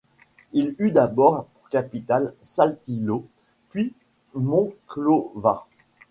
Il eut d'abord pour capitale Saltillo puis Monclova.